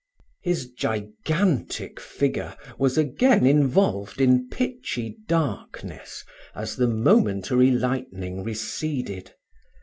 His gigantic figure was again involved in pitchy darkness, as the momentary lightning receded.